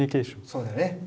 そうだね。